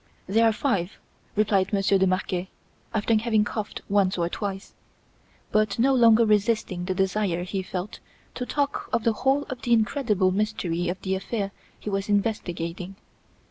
"There are five," replied Monsieur de Marquet, after having coughed once or twice, but no longer resisting the desire he felt to talk of the whole of the incredible mystery of the affair he was investigating.